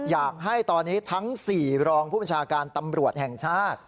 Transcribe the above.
อยากให้ตอนนี้ทั้ง๔รองผู้บัญชาการตำรวจแห่งชาติ